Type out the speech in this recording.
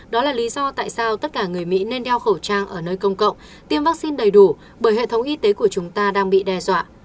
đó là lý do tại sao tất cả người mỹ nên đeo khẩu trang ở nơi công cộng tiêm vaccine đầy đủ bởi hệ thống y tế của chúng ta đang bị đe dọa